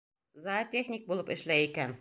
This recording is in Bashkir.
Зоотехник булып эшләй икән.